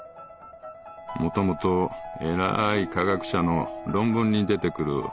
もともとエラーい科学者の論文に出てくるお猫様だ。